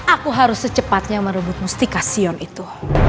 aku harus secepatnya merebut musti kasihan itu